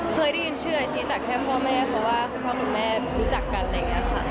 เคยได้ยินชื่อชี้จากแค่พ่อแม่เพราะว่าคุณพ่อคุณแม่รู้จักกันอะไรอย่างนี้ค่ะ